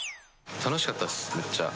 楽しかったです、めっちゃ。